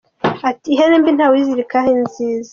Ati “Ihene mbi ntawe uyizirikaho inziza.